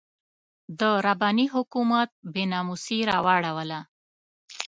د رباني حکومت بې ناموسي راواړوله.